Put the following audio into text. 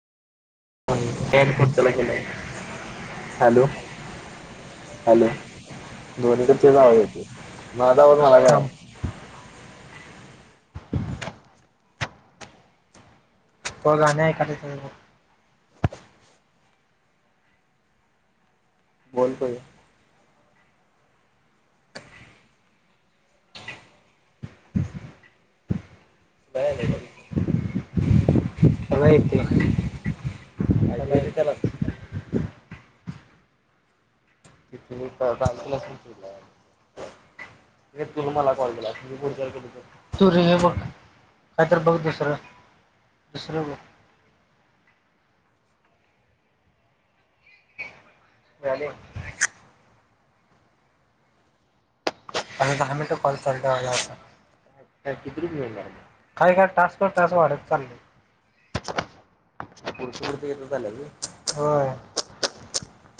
[unintelligible] Hello hello दोन्हीकडचा आवाज येतोय. माझा आवाज मलाच यायला लागलाय. [inaudible] [unintelligible] बोल पहिलं [unintelligible] चला येते नाही त्याला तिथ मी परत आणि तुलाच कॉल केलाय. का तु मला कॉल केलास? तु हे बघ कायतर बघ दुसरं दुसरं बघ झाले. अ दहा मिनटं कॉल चालु ठेवाय लागतोय. काय किती रुपये मिळणार आहेत. टास्क वर टास्क वाढत चाल्यात. [unintelligible] होय.